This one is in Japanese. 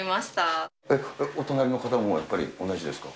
お隣の方もやっぱり同じですか？